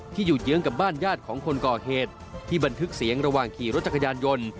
อยู่เยื้องกับบ้านญาติของคนก่อเหตุที่บันทึกเสียงระหว่างขี่รถจักรยานยนต์